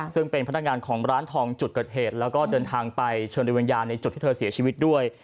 ซึ่งเป็นพนักงานของร้านทองจุดเกิดเหตุแล้วก็เดินทางไปเชิญโดยวิญญาณในจุดที่เธอเสียชีวิตด้วย